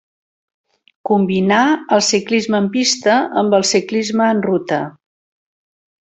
Combinà el ciclisme en pista amb el ciclisme en ruta.